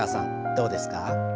どうですか？